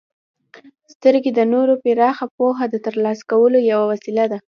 •سترګې د نور پراخه پوهه د ترلاسه کولو یوه وسیله ده.